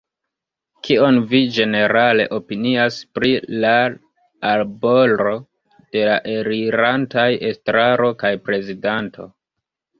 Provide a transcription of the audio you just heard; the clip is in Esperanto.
Kion vi ĝenerale opinias pri lal aboro de la elirantaj estraro kaj prezidanto?